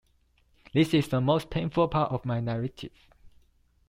This is the most painful part of my narrative.